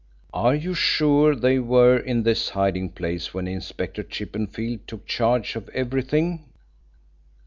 "Are you sure they were in this hiding place when Inspector Chippenfield took charge of everything?"